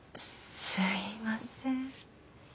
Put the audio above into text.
すいません。